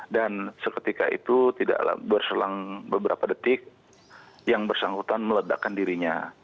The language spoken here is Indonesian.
dan seketika itu tidak berselang beberapa detik yang bersangkutan meledakan dirinya